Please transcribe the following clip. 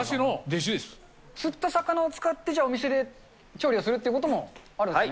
釣った魚をつかって、じゃあ、お店で調理をするということも、あるんですね？